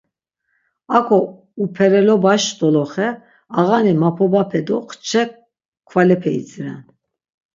Ak̆o uperelobaş doloxe ağani mapobape do xçe kvalepe idziren.